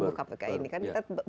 di tubuh kpk ini kan